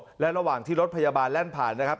อย่างสะดวกและระหว่างที่รถพยาบาลแร่นผ่านนะครับ